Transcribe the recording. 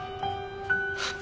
あっ！